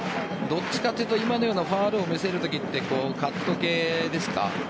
どっちかというと今のようなファウルを見せるときはカット系ですか？